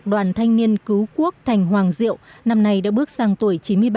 đoàn thanh niên cứu quốc thành hoàng diệu năm nay đã bước sang tuổi chín mươi ba